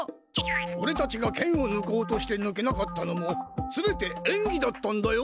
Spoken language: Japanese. おれたちが剣をぬこうとしてぬけなかったのも全てえんぎだったんだよ。